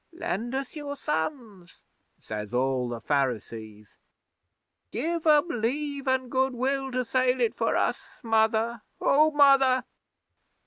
'"Lend us your sons," says all the Pharisees. "Give 'em Leave an' Good will to sail it for us, Mother O Mother!"